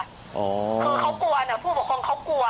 คือเขากลัวผู้ประคงเขากลัว